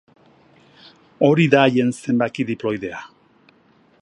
Hori da haien zenbaki diploidea.